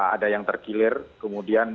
ada yang terkilir kemudian